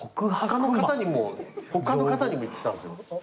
他の方にもいってたんですよ。